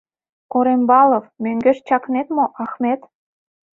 Корембалов.в Мӧҥгеш чакнет мо, Ахмет?